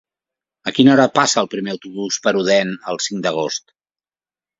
A quina hora passa el primer autobús per Odèn el cinc d'agost?